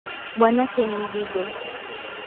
Bwanake ni mdigo